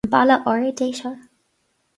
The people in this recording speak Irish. An balla ard é seo